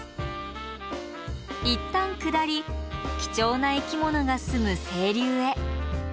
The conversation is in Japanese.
いったん下り貴重な生き物が住む清流へ。